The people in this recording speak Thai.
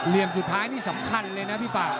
เหลี่ยมสุดท้ายนี่สำคัญเลยนะพี่ป่า